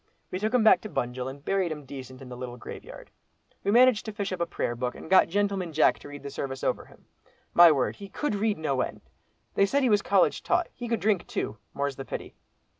We took him back to Bunjil, and buried him decent in the little graveyard. We managed to fish up a prayer book, and got 'Gentleman Jack' to read the service over him. My word! he could read no end. They said he was college taught. He could drink too, more's the pity."